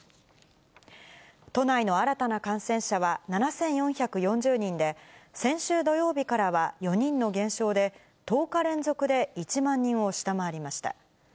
都内の新たな感染者は７４４０人で、先週土曜日からは４人の減少で、１０日連続で１万人を下回りました。